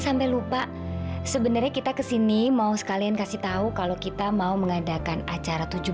sampai lupa sebenarnya kita kesini mau sekalian kasih tahu kalau kita mau mengadakan acara tujuh belas